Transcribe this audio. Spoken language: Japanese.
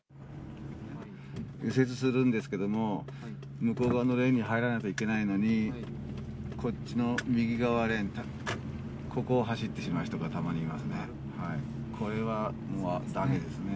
右折するんですけれども、向こう側のレーンに入らなきゃいけないのに、こっちの右側レーン、ここを走ってしまう人がたまにいますね。